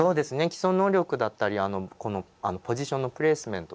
基礎能力だったりこのポジションのプレースメントですね。